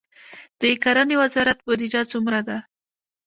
د کرنې وزارت بودیجه څومره ده؟